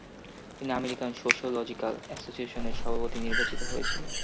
তিনি American sociological অ্যাসোসিয়েশনের সভাপতি নির্বাচিত হয়েছিলেন।